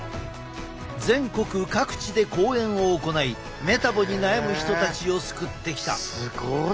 全国各地で講演を行いメタボに悩む人たちを救ってきた。